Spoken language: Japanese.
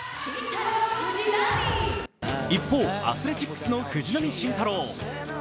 一方、アスレチックスの藤浪晋太郎。